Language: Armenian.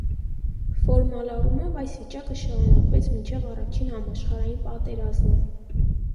Ֆորմալ առումով այս վիճակը շարունակվեց մինչև առաջին համաշխարհային պատերազմը։